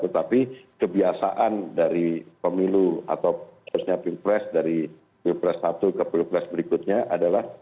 tetapi kebiasaan dari pemilu atau khususnya pilpres dari pilpres satu ke pilpres berikutnya adalah